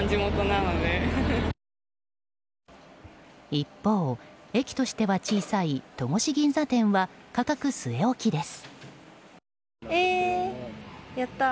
一方、駅としては小さい戸越銀座店は価格据え置きです。